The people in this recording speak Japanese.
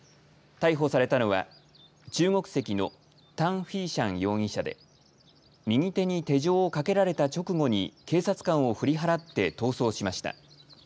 逮捕されたのは中国籍の唐恢祥容疑者で右手に手錠をかけられた直後に警察官を振り払って逃走しました。